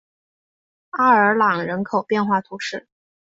阿尔朗人口变化图示